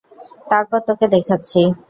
তারপর তোকে দেখাচ্ছি।